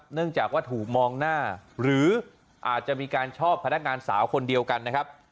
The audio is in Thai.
เนื่องจากว่าถูกมองหน้าหรืออาจจะมีการชอบพนักงานสาวคนเดียวกันนะครับ